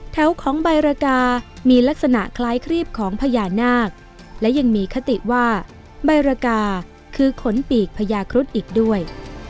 แถวของใบรากามีลักษณะคล้ายครีบของพญานาคและยังมีคติว่าใบรกาคือขนปีกพญาครุฑอีกด้วย